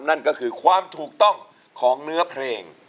นั่นก็คือความถูกต้องของเนื้อเพลง